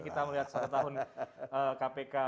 kita melihat setahun kpk